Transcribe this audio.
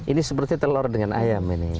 ini seperti telur dengan ayam ini